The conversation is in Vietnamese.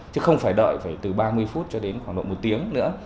chứ không phải đợi từ ba mươi phút cho đến khoảng một tiếng nữa